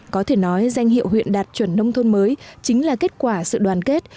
có thể nói danh hiệu huyện đạt chuẩn nông thôn mới chính là kết quả sự đoàn kết